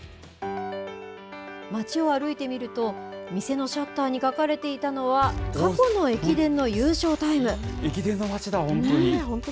町を歩いてみると、店のシャッターに書かれていたのは、駅伝の町だ、本当に。